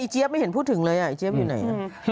อีเจี๊ยอพไม่เห็นพูดถึงเลยอีเจี๊ยอพอยู่ไหน